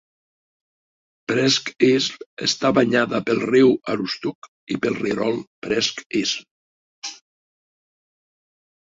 Presque Isle està banyada pel riu Aroostook i pel rierol Presque Isle.